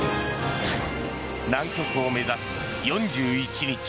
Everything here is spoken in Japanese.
南極を目指し４１日。